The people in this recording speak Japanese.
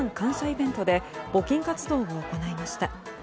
イベントで募金活動を行いました。